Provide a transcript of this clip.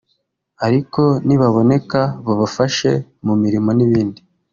ariko nibaboneka babafashe mu mirimo n’ibindi